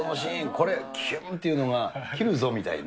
これ、きゅーんっていうのが、切るぞみたいな。